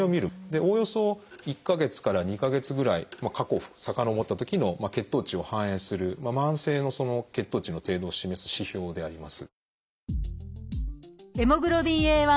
おおよそ１か月から２か月ぐらい過去遡ったときの血糖値を反映する慢性の血糖値の程度を示す指標であります。